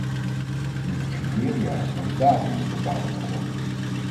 Niet de criteria, maar de datum is bepalend geworden.